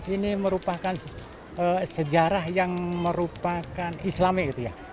ini merupakan sejarah yang merupakan islami